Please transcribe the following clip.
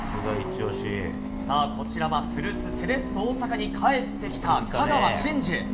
こちらは古巣、セレッソ大阪に帰ってきた香川真司。